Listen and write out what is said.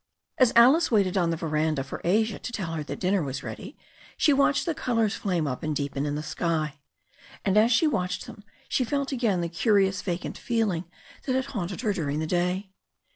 As Alice waited on the veranda for Asia to tell her that dinner was ready, she watched the colours flame up and deepen in the sky, and as she watched them she felt again the curious vacant feeling that had haunted her during the day.